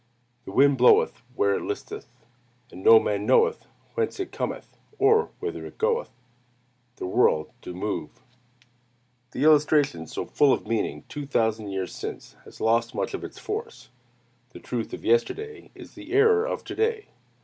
"The wind bloweth where it listeth, and no man knoweth whence it cometh, or whither it goeth." "The world do move." The illustration so full of meaning two thousand years since has lost much of its force. The truth of yesterday is the error of to day.